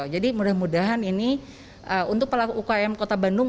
jadi mudah mudahan ini untuk pelaku umkm kota bandung